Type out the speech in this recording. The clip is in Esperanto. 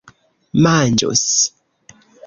manĝus